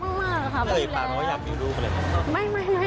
เผื่ออยู่ฟังว่ายังไม่รู้กันเลยค่ะ